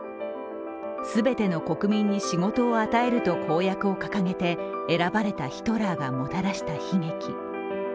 全ての国民に仕事を与えると公約を掲げて選ばれたヒトラーがもたらした悲劇。